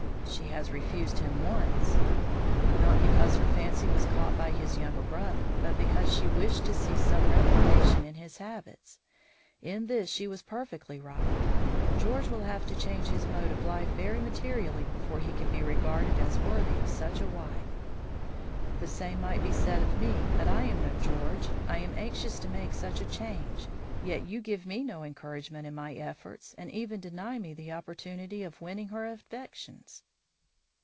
"She has refused him once." "Not because her fancy was caught by his younger brother, but because she wished to see some reformation in his habits. In this she was perfectly right. George will have to change his mode of life very materially before he can be regarded as worthy of such a wife." "The same might be said of me; but I am no George. I am anxious to make such a change. Yet you give me no encouragement in my efforts, and even deny me the opportunity of winning her affections."